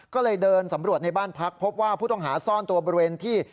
ก็เลยเดินสำรวจในบ้านพักพบว่าผู้ต้องหาซ่อนตัวบริเวณที่